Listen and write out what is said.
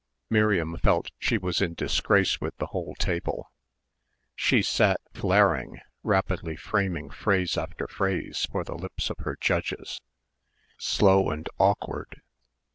Miriam felt she was in disgrace with the whole table.... She sat, flaring, rapidly framing phrase after phrase for the lips of her judges ... "slow and awkward"